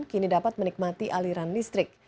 kini dapat menikmati aliran listrik